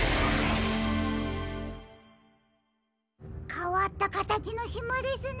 かわったかたちのしまですね。